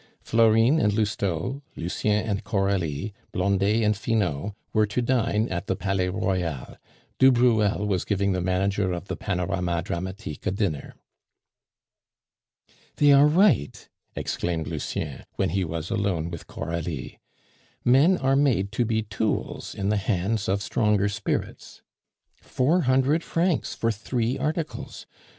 Florine and Lousteau, Lucien and Coralie, Blondet and Finot, were to dine at the Palais Royal; du Bruel was giving the manager of the Panorama Dramatique a dinner. "They are right," exclaimed Lucien, when he was alone with Coralie. "Men are made to be tools in the hands of stronger spirits. Four hundred francs for three articles!